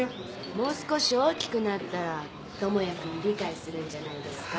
もう少し大きくなったら智也君理解するんじゃないですか？